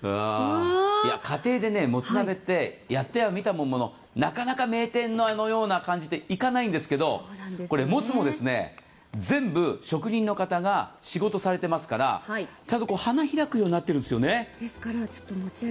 家庭でもつ鍋ってやってはみたものの、なかなか名店のあのような感じって、いかないんですけどもつも、全部、職人の方が仕事されてますからちゃんと花開くようになってるんですよね。